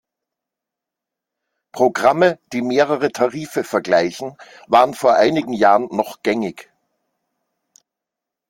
Programme, die mehrere Tarife vergleichen, waren vor einigen Jahren noch gängig.